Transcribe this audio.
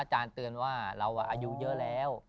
อาจารย์เตือนว่าเราอายุเยอะแล้ว